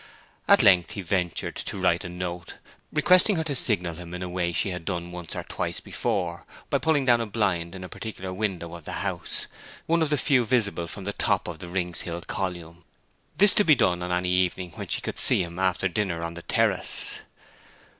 At length he ventured to write a note, requesting her to signal to him in a way she had done once or twice before, by pulling down a blind in a particular window of the house, one of the few visible from the top of the Rings Hill column; this to be done on any evening when she could see him after dinner on the terrace.